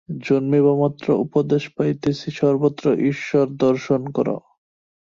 জন্মিবামাত্র উপদেশ পাইতেছি, সর্বত্র ঈশ্বর দর্শন কর।